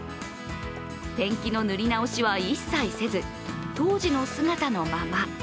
ペンキの塗り直しは一切せず当時の姿のまま。